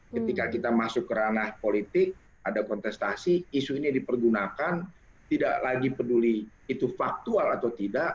ketika kita masuk ke ranah politik ada kontestasi isu ini dipergunakan tidak lagi peduli itu faktual atau tidak